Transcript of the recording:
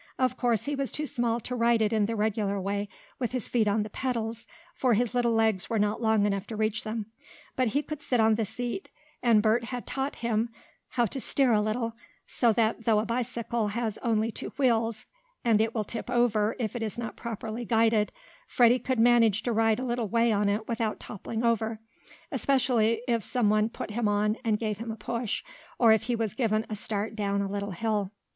Of course he was too small to ride it in the regular way, with his feet on the pedals, for his little legs were not long enough to reach them. But he could sit on the seat, and Bert had taught him how to steer a little, so that though a bicycle has only two wheels, and will tip over if it is not properly guided, Freddie could manage to ride a little way on it without toppling over, especially if some one put him on and gave him a push, or if he was given a start down a little hill.